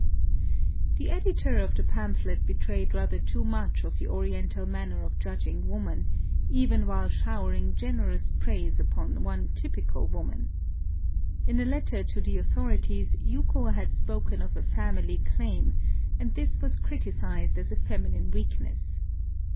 The editor of the pamphlet betrayed rather too much of the Oriental manner of judging woman, even while showering generous praise 78 NOTES OF A TRIP TO KYOTO upon one typical woman. In a letter to the authorities Yuko had spoken of a family claim, and this was criticised as a feminine weakness.